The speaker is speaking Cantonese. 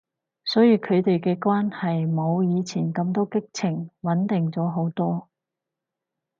所以佢哋嘅關係冇以前咁多激情，穩定咗好多